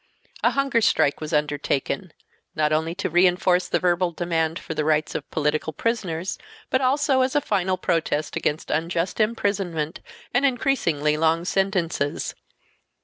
A hunger strike was undertaken, not only to reinforce the verbal demand for the rights of political prisoners, but also as a final protest against unjust imprisonment and increasingly long sentences.